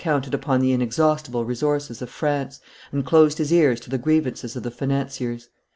counted upon the inexhaustible resources of France, and closed his ears to the grievances of the financiers.